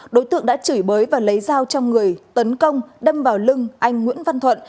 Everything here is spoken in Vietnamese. đối tượng đã chửi bới và lấy dao trong người tấn công đâm vào lưng anh nguyễn văn thuận